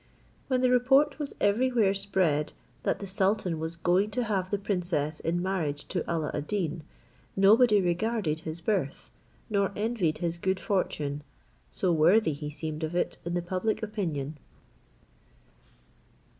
When the report was everywhere spread, that the sultan was going to give the princess in marriage to Alla ad Deen, nobody regarded his birth, nor envied his good fortune, so worthy he seemed of it in the public opinion.